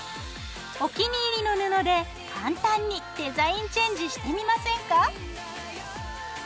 お気に入りの布で簡単にデザインチェンジしてみませんか？